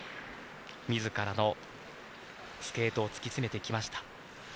自らのスケートを突き詰めてきました。